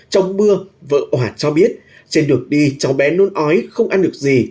trong mưa vợ cho biết trên đường đi cháu bé nôn ói không ăn được gì